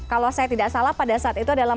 kalau saya tidak salah pada saat itu adalah